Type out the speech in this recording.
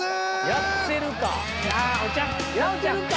やってるか。